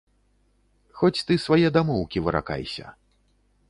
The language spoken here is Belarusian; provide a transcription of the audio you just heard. Хоць ты свае дамоўкі выракайся.